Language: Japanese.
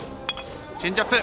チェンジアップ。